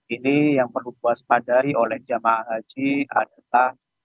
ini yang perlu diwaspadai oleh jemaah haji adalah